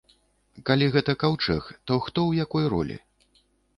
Калі гэта каўчэг, то хто ў якой ролі?